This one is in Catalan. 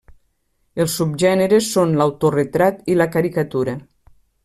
Els subgèneres són l'autoretrat i la caricatura.